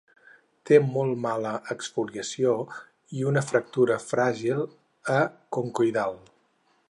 Té molt mala exfoliació i una fractura fràgil a concoidal.